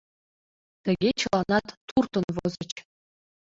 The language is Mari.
Тыге чыланат туртын возыч.